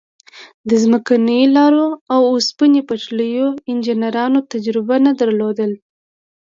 د ځمکنیو لارو او اوسپنې پټلیو انجنیرانو تجربه نه لرله.